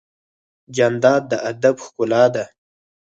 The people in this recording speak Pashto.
جانداد د ادب ښکلا ده.